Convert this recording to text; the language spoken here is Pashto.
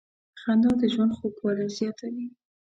• خندا د ژوند خوږوالی زیاتوي.